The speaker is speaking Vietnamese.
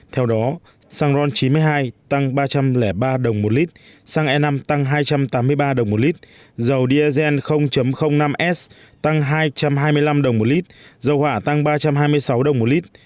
theo đó xăng ron chín mươi hai tăng ba trăm linh ba đồng một lít xăng e năm tăng hai trăm tám mươi ba đồng một lít dầu diesel năm s tăng hai trăm hai mươi năm đồng một lít dầu hỏa tăng ba trăm hai mươi sáu đồng một lít